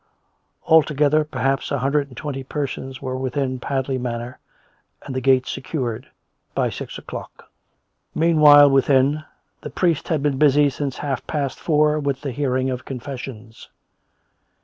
Altogether perhaps a hundred and twenty per sons were within Padley Manor — and the gate secured — by six o'clock. Meanwhile, within, the priest had been busy since half past four with the hearing of confessions.